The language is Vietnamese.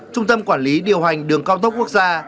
trung tâm quản lý điều hành đường cao tốc quốc gia